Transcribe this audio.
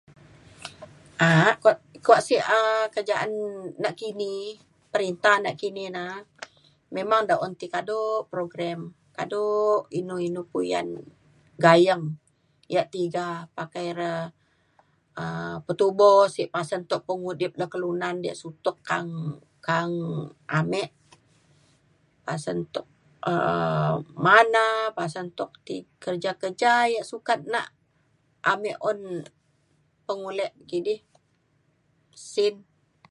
a'ak kuak sik kuak sik kerajaan nakini perinta nakini na memang da un ti kado program kado inu inu puyan gayeng ia' tiga pakai re um petubo sik pasen tuk pemudip le kelunan diak sutok ka'ang ka'ang ame pasen tuk um mana pasen tuk ti- kerja kerja yak sukat nak ame un pemulek kidi sin